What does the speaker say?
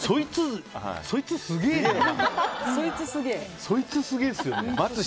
そいつ、すげえな。